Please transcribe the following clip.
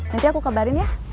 nanti aku kabarin ya